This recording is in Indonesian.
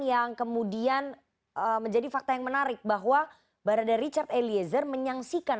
yang kemudian menjadi fakta yang menarik bahwa barada richard eliezer menyaksikan